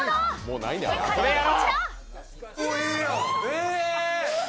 それやろ！